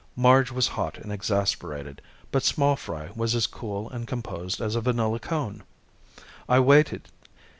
Marge was hot and exasperated, but small fry was as cool and composed as a vanilla cone. I waited.